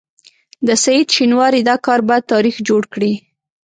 د سعید شینواري دا کار به تاریخ جوړ کړي.